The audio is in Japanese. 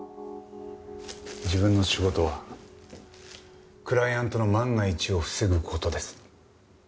自分の仕事はクライアントの万が一を防ぐ事です。